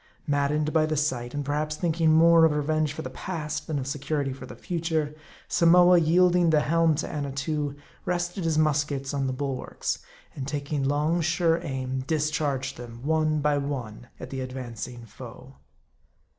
Maddened by the sight, and perhaps thinking more of re venge for the past, than of security for the future, Samoa, yielding the helm to Annatoo, rested his muskets on the bulwarks, and taking long, sure aim, discharged them, one by one at the advancing foe.